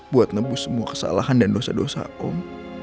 buat nebus semua kesalahan dan dosa dosa kaum